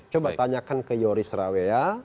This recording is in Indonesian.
coba tanyakan ke yoris rawea